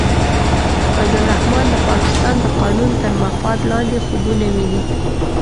فضل الرحمن د پاکستان د قانون تر مفاد لاندې خوبونه ویني.